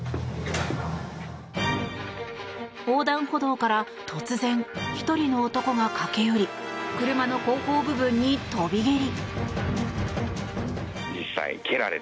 横断歩道から突然１人の男が駆け寄り車の後方部分に跳び蹴り。